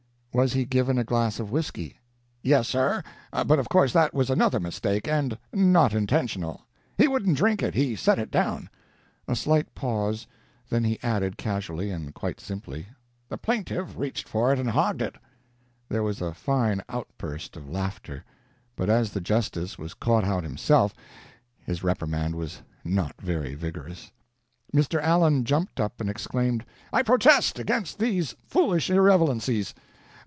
"Was he given a glass of whisky?" "Yes, sir, but of course that was another mistake, and not intentional. He wouldn't drink it. He set it down." A slight pause, then he added, casually and quite simply: "The plaintiff reached for it and hogged it." There was a fine outburst of laughter, but as the justice was caught out himself, his reprimand was not very vigorous. Mr. Allen jumped up and exclaimed: "I protest against these foolish irrelevancies.